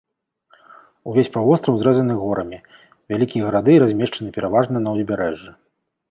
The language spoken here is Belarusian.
Увесь паўвостраў зрэзаны горамі, вялікія гарады размешчаны пераважна на ўзбярэжжы.